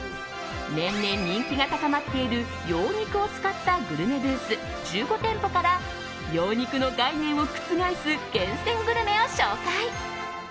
年々人気が高まっている羊肉を使ったグルメブース１５店舗から羊肉の概念を覆す厳選グルメを紹介。